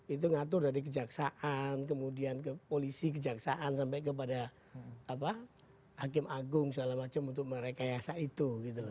itu ngatur dari kejaksaan kemudian ke polisi kejaksaan sampai kepada hakim agung segala macam untuk merekayasa itu